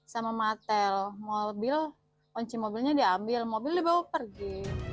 sama matel mobil kunci mobilnya diambil mobil dibawa pergi